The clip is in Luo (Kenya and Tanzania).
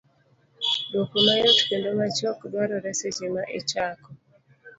Dwoko mayot kendo machuok dwarore seche ma ichako